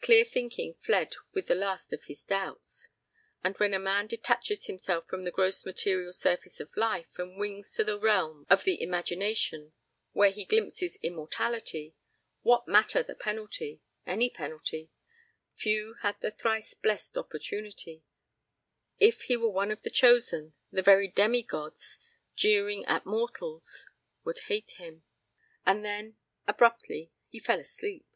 Clear thinking fled with the last of his doubts. ... And when a man detaches himself from the gross material surface of life and wings to the realm of the imagination, where he glimpses immortality, what matter the penalty? Any penalty? Few had the thrice blessed opportunity. If he were one of the chosen, the very demi gods, jeering at mortals, would hate him. And then abruptly he fell asleep.